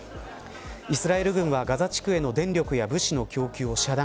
イスラエル軍はガザ地区への電力や物資の供給を遮断。